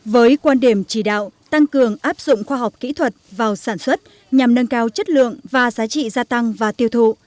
với quan điểm chỉ đạo tăng cường áp dụng khoa học kỹ thuật vào sản xuất nhằm nâng cao chất lượng và giá trị gia tăng và tiêu thụ